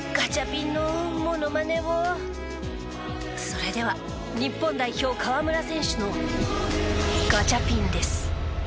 それでは日本代表河村選手のガチャピンです。